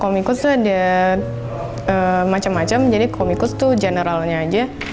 komikus tuh ada macam macam jadi komikus tuh generalnya aja